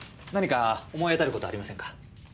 何か思い当たる事ありませんか？